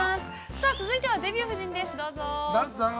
続いては「デビュー夫人」です、どうぞ。